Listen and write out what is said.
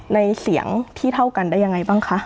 ในเสียงที่เท่ากันได้ยังไงบ้างคะ